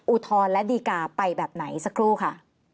อุทธรณ์และดีกาไปแบบไหนสักครู่ค่ะ